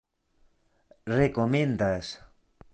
rekomendas